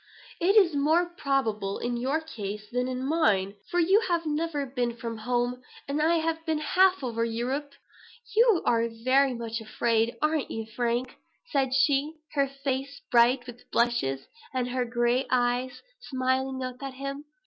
It is more probable in your case than in mine; for you have never been from home, and I have been half over Europe." "You are very much afraid, are not you, Frank?" said she, her face bright with blushes, and her gray eyes smiling up at him.